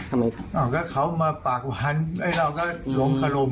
ถ้ากะให้ตายมันก็ต้องซ้ำอีก